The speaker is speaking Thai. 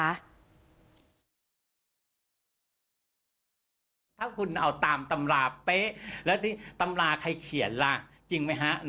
ถ้าคุณเอาตามตำราเป๊ะแล้วที่ตำราใครเขียนล่ะจริงไหมฮะ